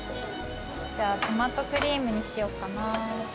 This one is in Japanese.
じゃあトマトクリームにしようかな。